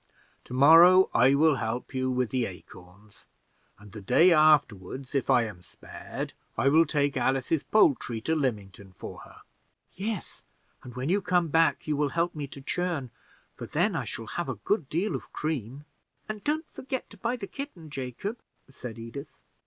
To morrow I will help you with the acorns, and the day afterward, if I am spared, I will take Alice's poultry to Lymington for her." "Yes, and when you come back you will help me to churn for then I shall have a good deal of cream." "And don't forget to buy the kitten, Jacob," said Edith.